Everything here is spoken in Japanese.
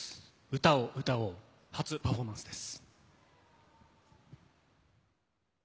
『歌を歌おう』初パフォーマンスです。